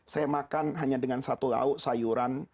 saya makan hanya dengan satu lauk sayuran